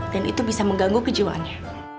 dan itu bisa mengganggu kejiwaannya